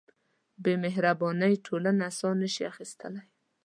بېمهربانۍ ټولنه ساه نهشي اخیستلی.